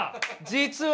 実は！